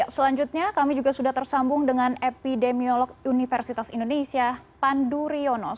selanjutnya kami juga sudah tersambung dengan epidemiolog universitas indonesia pandu rionos